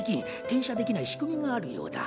転写できない仕組みがあるようだ。